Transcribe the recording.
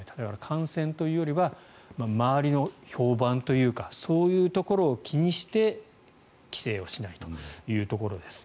感染というよりは周りの評判というかそういうところを気にして帰省をしないというところです。